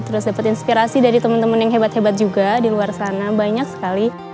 terus dapat inspirasi dari teman teman yang hebat hebat juga di luar sana banyak sekali